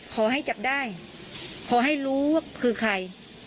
ขอให้จับได้ขอให้รู้ว่าคือใคร